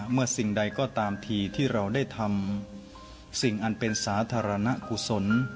สิ่งใดก็ตามทีที่เราได้ทำสิ่งอันเป็นสาธารณกุศล